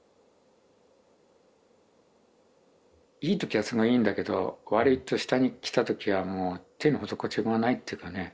いい時はすごいいいんだけど悪いと下に来た時はもう手の施しようがないっていうかね。